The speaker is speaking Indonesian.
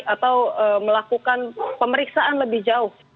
atau melakukan pemeriksaan lebih jauh